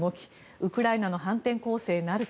ウクライナの反転攻勢なるか。